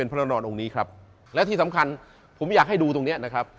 เห็นจะเป็นพระนอนองค์นี้ครับและที่สำคัญผมอยากให้ดูนั่นหนูนะครับ